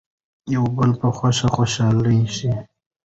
د یو بل په خوښۍ خوشحاله شئ.